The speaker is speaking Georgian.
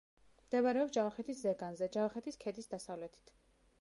მდებარეობს ჯავახეთის ზეგანზე, ჯავახეთის ქედის დასავლეთით.